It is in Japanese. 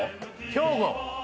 「兵庫」